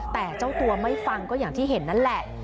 แต่เจ้าตัวไม่ฟังก็อย่างที่เห็นนั่นแหละ